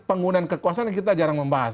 penggunaan kekuasaan yang kita jarang membahas